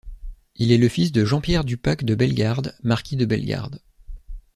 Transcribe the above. Il est le fils de Jean-Pierre du Pac de Bellegarde, Marquis de Bellegarde.